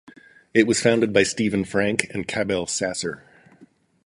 It was founded by Steven Frank and Cabel Sasser.